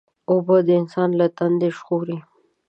اوبه انسان له تندې ژغوري.